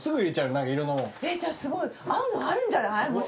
合うのあるんじゃない？